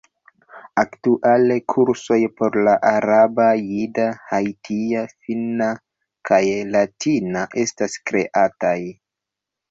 Aktuale kursoj por la araba, jida, haitia, finna, kaj latina estas kreataj.